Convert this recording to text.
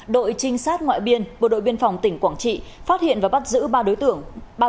đội trinh sát ngoại biên bộ đội biên phòng tỉnh quảng trị phát hiện và bắt giữ ba đối tượng